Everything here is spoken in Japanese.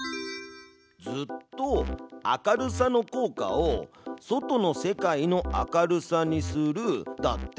「ずっと」「明るさの効果を『外の世界の明るさ』にする」だって。